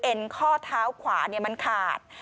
เอ็นข้อเท้าขวาเนี่ยมันขาด